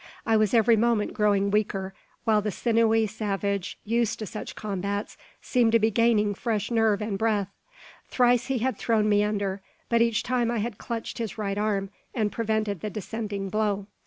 I was every moment growing weaker, while the sinewy savage, used to such combats, seemed to be gaining fresh nerve and breath. Thrice he had thrown me under; but each time I had clutched his right arm, and prevented the descending blow.